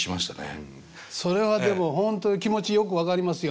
それはでも本当に気持ちよく分かりますよ。